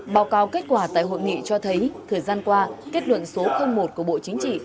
báo cáo kết quả tại hội nghị cho thấy thời gian qua kết luận số một của bộ chính trị